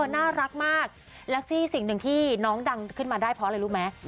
น่ารักมากแล้วซี่สิ่งหนึ่งที่น้องดังขึ้นมาได้เพราะอะไรรู้ไหม